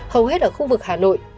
hầu hết ở khu vực hà nội